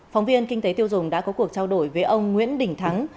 phóng viên kinh tế tiêu dùng đã có cuộc trao đổi với ông nguyễn đình thắng